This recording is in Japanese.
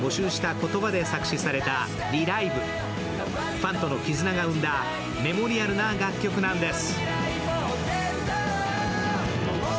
ファンとの絆が生んだメモリアルな楽曲なんです。